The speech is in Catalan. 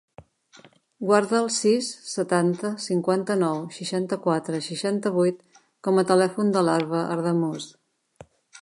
Guarda el sis, setanta, cinquanta-nou, seixanta-quatre, seixanta-vuit com a telèfon de l'Arwa Adamuz.